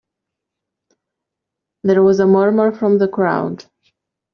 There was a murmur from the crowd.